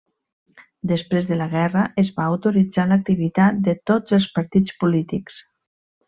Després de la guerra es va autoritzar l'activitat de tots els partits polítics.